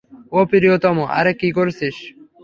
ও প্রিয়তম, - আরে কি করছিস?